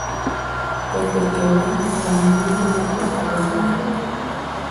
Tetekela nyi yami mungukutaula.